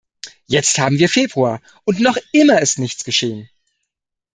Jetzt haben wir Februar, und noch immer ist nichts geschehen.